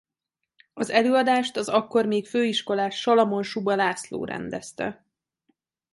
Az előadást az akkor még főiskolás Salamon Suba László rendezte.